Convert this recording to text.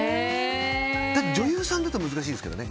女優さんだと難しいですけどね。